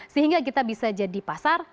sehingga kita bisa jadi pasar